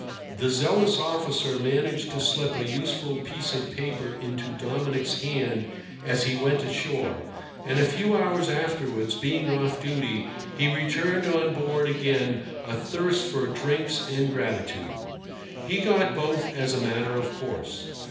The zealous officer managed to slip a useful piece of paper into Dominic's hand as he went ashore, and a few hours afterwards, being off duty, he returned on board again athirst for drinks and gratitude. He got both as a matter of course.